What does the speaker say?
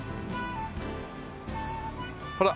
ほら。